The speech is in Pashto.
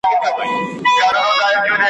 هر لښتی يې اباسين ؤ `